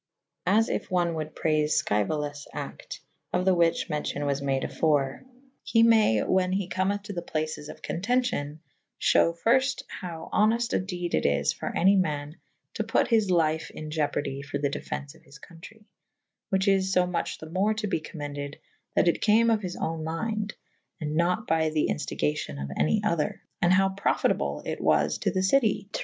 As if one wolde praife Sceuolaes acte / of Me which mencio« was made afore, he may whan he cometh to the places of contencion / fhew fyrfte howe honeft a dede it is for any man to put his lyfe in ieoperdy for the defence of his contrey / whiche is fo much the more to be commended that it came of his owne mynde / and nat by the inftigacion of any other / and howe profitable it was to the citie to